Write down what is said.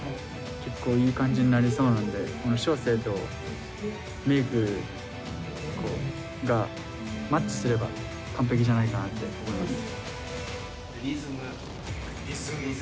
結構いい感じになりそうなので祥生とメイクがマッチすれば完璧じゃないかなって思います。